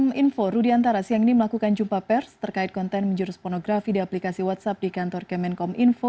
kominfo rudiantara siang ini melakukan jumpa pers terkait konten menjurus pornografi di aplikasi whatsapp di kantor kemenkom info